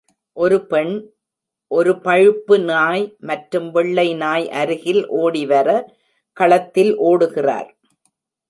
ஒரு பெண், ஒரு பழுப்பு நாய், மற்றும் வெள்ளை நாய் அருகில் ஓடி வர களத்தில் ஓடுகிறார்.